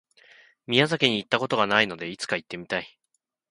宮崎に行った事がないので、いつか行ってみたい。